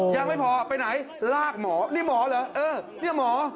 ยังไม่พอไปไหนลากหมอนี่หมอเหรอเออเนี่ยหมอ